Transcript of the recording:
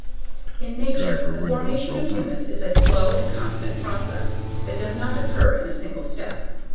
In nature, the formation of humus is a slow and constant process that does not occur in a single step.